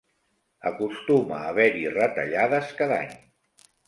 Acostuma a haver-hi retallades cada any.